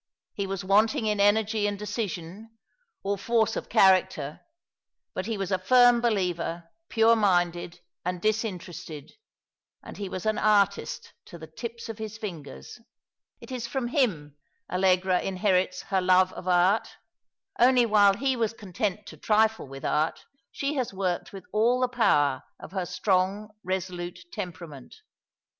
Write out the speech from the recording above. He was wanting in energy and decision, or force of character ; but he was a firm believer, pure minded and disinterested, and he was an artist to the tips of his fingers. It is from him Allegra inherits lier love of art ; only while he was content to trifle with art she has worked with all the power of her strong, resolute temperament.